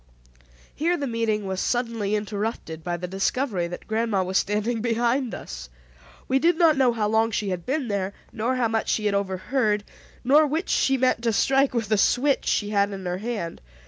Here the meeting was suddenly interrupted by the discovery that grandma was standing behind us. We did not know how long she had been there nor how much she had overheard, nor which she meant to strike with the switch she had in her hand.